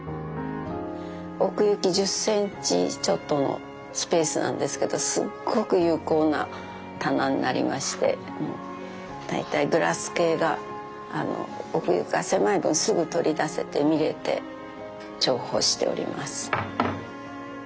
奥行き１０センチちょっとのスペースなんですけどすっごく有効な棚になりまして大体グラス系が奥行きが狭い分すぐ取り出せて見れて重宝しております。